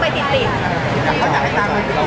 ไม่ได้เจอในคุณหรอก